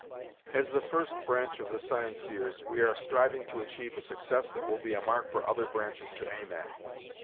As the first branch of The Scienceers, we are striving to achieve a success that will be a mark for other branches to aim at.